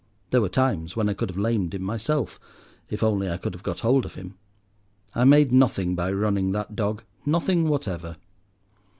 There were times when I could have lamed him myself, if only I could have got hold of him. I made nothing by running that dog—nothing whatever.